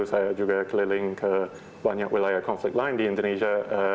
saya juga keliling ke banyak wilayah konflik lain di indonesia